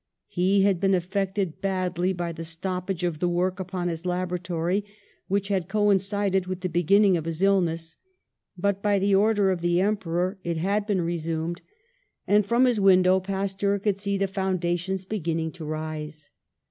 He had been affected badly by the stoppage of the work upon his laboratory which had coincided with the beginning of his illness, but by the order of the Emperor it had been resumed, and FOR THE NATIONAL WEALTH 97 from his window Pasteur could see the foun dations beginning to rise.